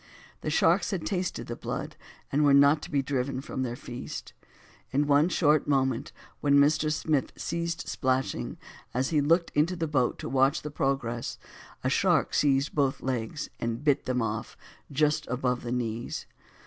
The sharks had tasted the blood, and were not to be driven from their feast; in one short moment, when Mr. Smith ceased splashing as he looked into the boat to watch the progress, a shark seized both legs, and bit them off just above the knees.